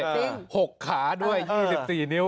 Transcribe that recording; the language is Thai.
จริงครับะจริง๖ขาด้วย๒๔นิ้ว